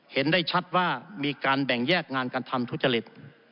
เห็นได้ชัดว่ามีการแบ่งแยกงานการทำทุจริต